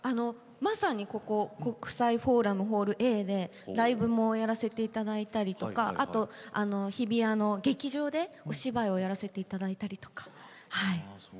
まさにここ国際フォーラムホールＡでライブもやらせていただいたりとかあと、日比谷の劇場でお芝居をやらせていただいたりとか。